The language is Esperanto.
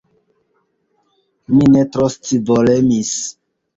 Mi ne tro scivolemis.